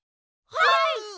はい！